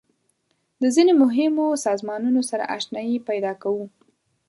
د ځینو مهمو سازمانونو سره آشنایي پیدا کوو.